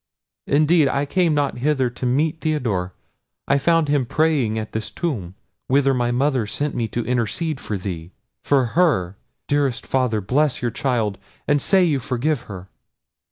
Indeed, I came not hither to meet Theodore. I found him praying at this tomb, whither my mother sent me to intercede for thee, for her—dearest father, bless your child, and say you forgive her."